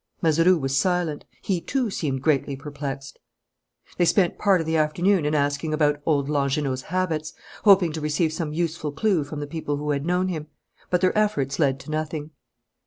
Mazeroux was silent. He, too, seemed greatly perplexed. They spent part of the afternoon in asking about old Langernault's habits, hoping to receive some useful clue from the people who had known him. But their efforts led to nothing.